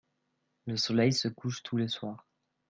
Le soleil se couche tous les soirs.